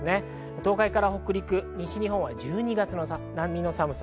東海から北陸、西日本は１２月の寒さ。